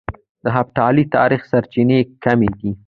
د هېپتالي تاريخ سرچينې کمې دي